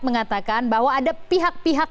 mengatakan bahwa ada pihak pihak